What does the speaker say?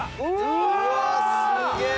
うわすげえ。